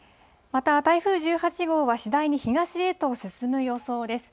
また、台風１８号は次第に東へと進む予想です。